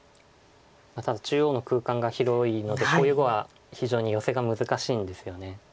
ただ中央の空間が広いのでこういう碁は非常にヨセが難しいんですよね。